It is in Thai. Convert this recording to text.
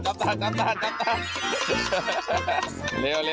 เต็มเต็มเต็มเต็มเต็ม